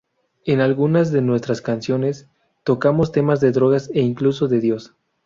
En algunas de nuestras canciones tocamos temas de drogas e incluso de Dios.